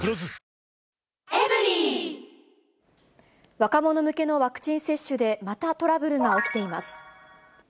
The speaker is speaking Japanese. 若者向けのワクチン接種でまたトラブルが起きています。